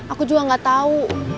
aku juga nggak tahu